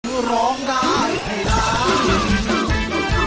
เพื่อร้องได้ให้ได้